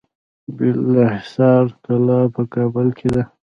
د بالاحصار کلا په کابل کې ده